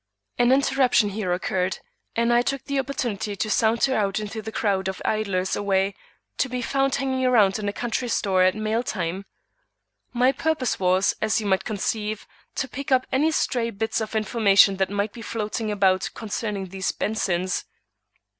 An interruption here occurred, and I took the opportunity to saunter out into the crowd of idlers always to be found hanging around a country store at mail time. My purpose was, as you may conceive, to pick up any stray bits of information that might be floating about concerning these Bensons.